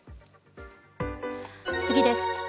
次です。